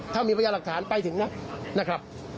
ถ้ามีพยาหลักฐานไปถึงนะครับ